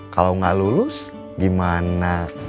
kalau gak lulus gimana